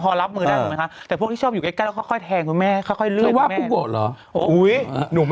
เขาชอบแทงข้างหลัง